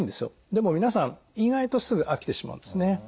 でも皆さん意外とすぐ飽きてしまうんですね。